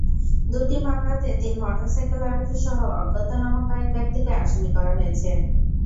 দুটি মামলাতে তিন মোটরসাইকেল আরোহীসহ অজ্ঞাতনামা কয়েক ব্যক্তিকে আসামি করা হয়েছে।